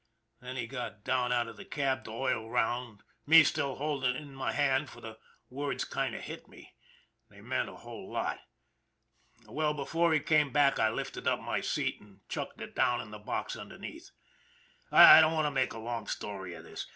Then he got down out of the cab to oil round, me still holding it in my hand for the words kind of hit me they meant a whole lot. Well, before he came back, I lifted up my seat and chucked it down in the box underneath. I don't want to make a long story of this.